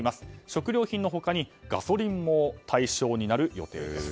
食料品の他にガソリンも対象になる予定です。